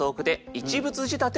一物仕立て？